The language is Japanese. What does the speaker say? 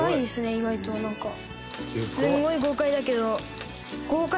意外となんかすごい豪快だけど。